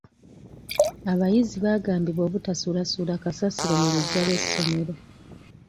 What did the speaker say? Abayizi baagambibwa obutasuulasuula kasasiro mu luggya lw'essomero.